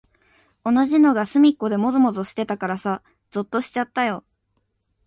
同じのがすみっこでもぞもぞしてたからさ、ぞっとしちゃったよ。